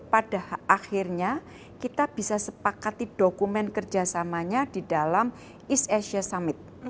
pada akhirnya kita bisa sepakati dokumen kerjasamanya di dalam east asia summit